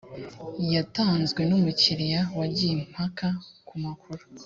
yatanzwe n umukiriya wagiye impaka ku makuru